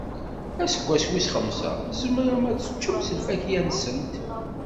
Aseggas wis xemsa, tzemrem ad teččem si lfakya-nsent.